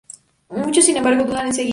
Muchos sin embargo, dudan en seguirle.